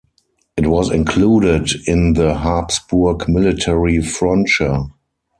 It was included in the Habsburg Military Frontier.